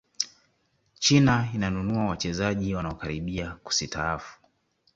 china inanununua wachezaji wanaokaribia kusitaafu